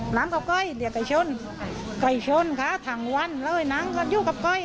หน้ากับใกล้เลี้ยงไก่ชนไก่ชนค่ะทางวันอยู่กับใกล้